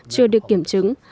chưa được kiểm chứng